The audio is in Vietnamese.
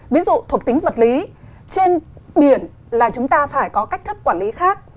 ví dụ thuộc tính vật lý trên biển là chúng ta phải có cách thức quản lý khác